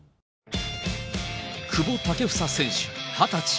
久保建英選手２０歳。